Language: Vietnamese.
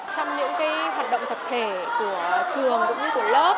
trong những cái hoạt động thực thể của trường cũng như của lớp